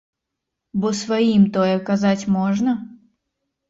Бо сваім тое казаць можна?